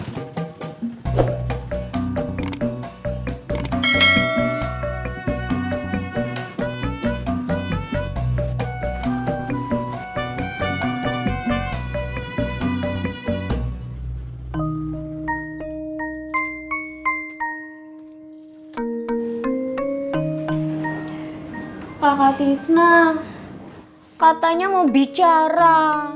kakak tisna katanya mau bicara